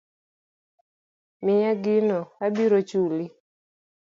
Miya gino abiro chuli.